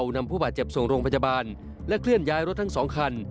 นำผู้บาดเจ็บส่งโรงพยาบาลและเคลื่อนย้ายรถทั้ง๒คัน